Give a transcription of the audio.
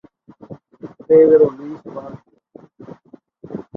Pedro Luis Barcia.